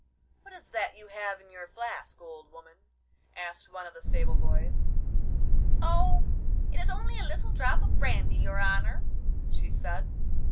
'What is that you have in your flask, old woman?' asked one of the stable boys. 'Oh, it's only a little drop of brandy, your honour,' she said.